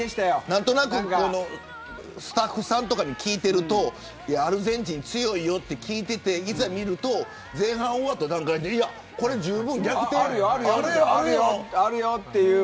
何となくスタッフさんとかに聞いてるとアルゼンチン強いよと聞いてていざ見ると前半が終わった段階でじゅうぶんに逆転あるよという。